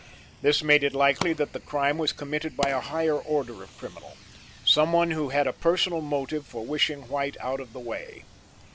This made it likely that the crime was committed by a higher order of criminal, some one who had a personal motive for wishing White out of the way.